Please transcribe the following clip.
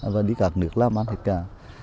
và đi các nước làm ăn hết cả